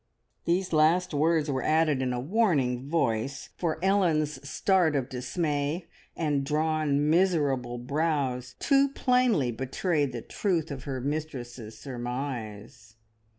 The last words were added in a warning voice, for Ellen's start of dismay and drawn, miserable brows too plainly betrayed the truth of her mistress's surmise.